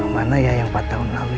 mana ya yang empat tahun lalu